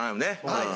はい。